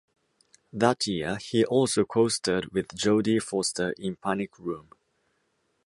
That year, he also co-starred with Jodie Foster in "Panic Room".